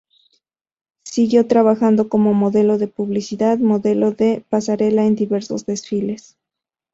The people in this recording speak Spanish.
Siguió trabajando como modelo de publicidad, modelo de pasarela en diversos desfiles.